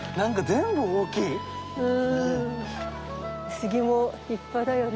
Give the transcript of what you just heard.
スギも立派だよね。